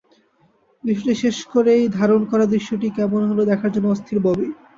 দৃশ্যটি শেষ করেই ধারণ করা দৃশ্যটি কেমন হলো দেখার জন্য অস্থির ববি।